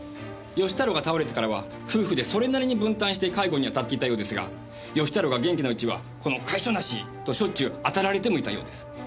義太郎が倒れてからは夫婦でそれなりに分担して介護に当たっていたようですが義太郎が元気なうちは「この甲斐性なし！」としょっちゅう当たられてもいたようです。